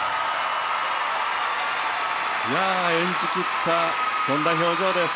演じ切ったそんな表情です。